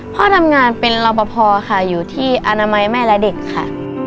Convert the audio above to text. พ่อทำงานเป็นรอปภค่ะอยู่ที่อนามัยแม่และเด็กค่ะ